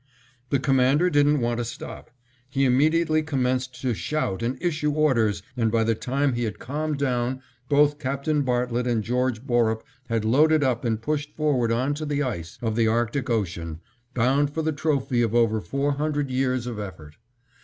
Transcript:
The Commander didn't want to stop. He immediately commenced to shout and issue orders, and, by the time he had calmed down, both Captain Bartlett and George Borup had loaded up and pushed forward on to the ice of the Arctic Ocean, bound for the trophy of over four hundred years of effort.